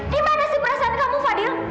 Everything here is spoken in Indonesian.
gimana sih perasaan kamu fadil